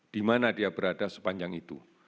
di mana dia berada sepanjang itu